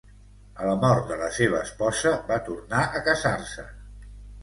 A la mort de la seva esposa, va tornar a casar-se.